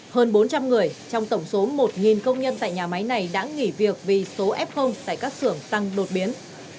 hơn bốn trăm linh người trong tổng số một công nhân tại nhà máy này đã nghỉ việc vì số f tại các xưởng tăng đột biến